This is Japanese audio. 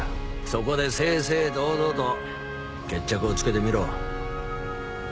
そこで正々堂々と決着をつけてみろ。